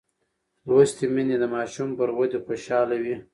لوستې میندې د ماشوم پر ودې خوشحاله وي.